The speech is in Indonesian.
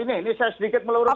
ini saya sedikit meluruskan